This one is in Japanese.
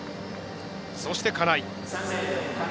そして、金井。